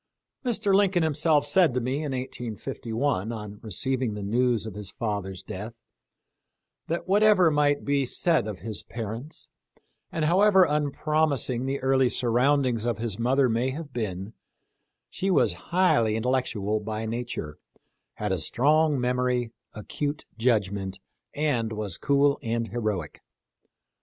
Mr. Lincoln himself said to me in 185 1, on receiving the news of his father's death, that whatever might be said of his parents, and however unpromising the early surroundings of his mother may have been, she was highly intellectual by nature, had a strong memory, acute judgment, and was cool and heroic.